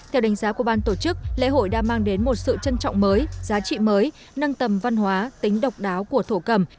theo đánh giá của ban tổ chức lễ hội đã mang đến một sự trân trọng mới giá trị mới nâng tầm văn hóa tính độc đáo của thổ cầm